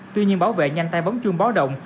tuy nhiên bảo vệ nhanh tay bóng chuông bó động